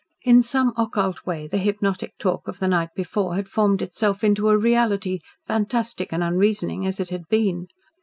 In some occult way the hypnotic talk of the night before had formed itself into a reality, fantastic and unreasoning as it had been.